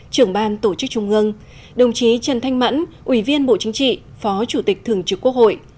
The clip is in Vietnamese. trưởng ban tổ chức trung ương đồng chí trần thanh mẫn ủy viên bộ chính trị phó chủ tịch thường trực quốc hội